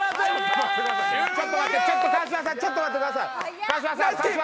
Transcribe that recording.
川島さん、ちょっと待ってください！